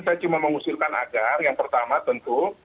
saya cuma mengusulkan agar yang pertama tentu